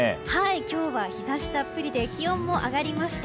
今日は日差したっぷりで気温も上がりました。